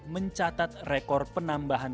mencatat rekor penambahan